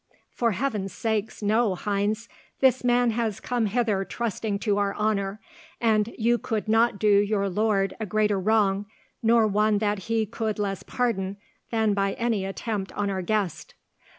"For heaven's sake, no, Heinz. This man has come hither trusting to our honour, and you could not do your lord a greater wrong, nor one that he could less pardon, than by any attempt on our guest."